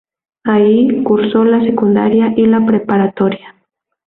Ahí, cursó la secundaria y la preparatoria.